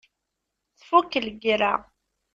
Tfukk lgira.